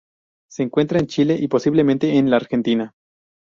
Se encuentra en Chile y, posiblemente, en la Argentina.